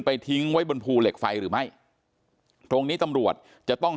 ทิ้งไว้บนภูเหล็กไฟหรือไม่ตรงนี้ตำรวจจะต้อง